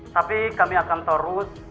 tapi kami akan terus